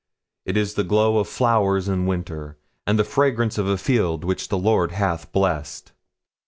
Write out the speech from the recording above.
It is the glow of flowers in winter, and the fragrance of a field which the Lord hath blessed.'